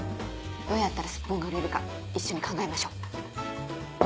どうやったらスッポンが売れるか一緒に考えましょ。